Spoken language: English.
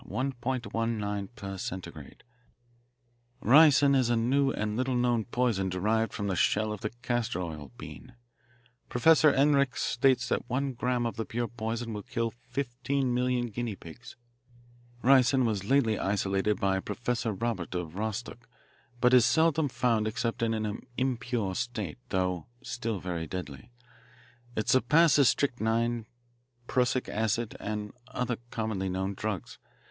1.19 "" "Ricin is a new and little known poison derived from the shell of the castor oil bean. Professor Ehrlich states that one gram of the pure poison will kill 1,500,000 guinea pigs. Ricin was lately isolated by Professor Robert, of Rostock, but is seldom found except in an impure state, though still very deadly. It surpasses strychnine, prussic acid, and other commonly known drugs.